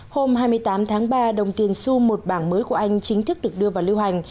hôm hai mươi tám tháng ba đồng tiền su một bảng mới của anh chính thức được đưa vào lưu hành